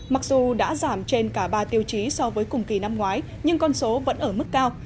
mặc dù đã giảm trên cả ba tiêu chí so với cùng kỳ năm ngoái nhưng con số vẫn ở mức cao